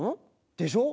でしょ